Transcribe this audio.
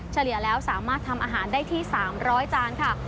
เฉลี่ยแล้วสามารถทำอาหารได้ที่๓๐๐จานค่ะ